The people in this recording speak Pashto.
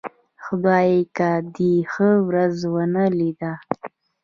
خدايکه دې ښه ورځ ورنه ولېده.